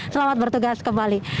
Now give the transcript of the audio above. selamat bertugas kembali